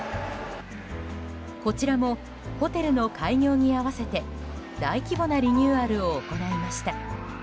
こちらもホテルの開業に合わせて大規模なリニューアルを行いました。